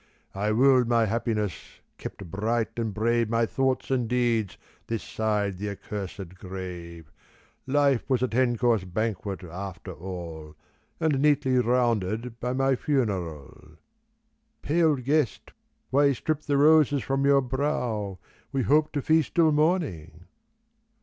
I willed my happiness, kept bright and brave My thoughts and deeds this side the accursed grave Life was a ten course banquet after all. And neatly rounded by my funeral. " Pale guest, why strip the roses from your brow ? We hope to feast till morning."